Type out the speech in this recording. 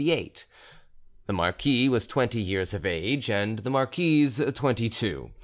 The marquis was twenty years of age, and the marquise twenty two.